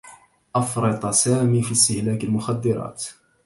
أفرط سامي في استهلاك المخدّرات.